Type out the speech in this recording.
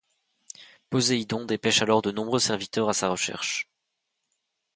Poséidon dépêche alors de nombreux serviteurs à sa recherche.